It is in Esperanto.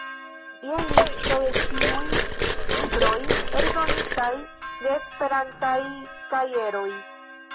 Jen listo de ĉiuj libroj eldonitaj de Esperantaj Kajeroj.